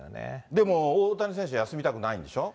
でも大谷選手は休みたくないんでしょ？